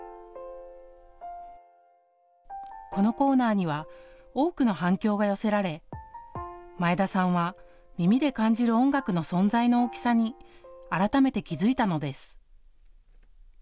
このコーナーには多くの反響が寄せられ前田さんは耳で感じる音楽の存在の大きさに改めて気付いたのです。